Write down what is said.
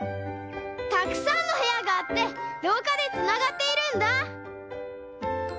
たくさんのへやがあってろうかでつながっているんだ。